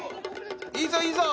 いいぞいいぞ！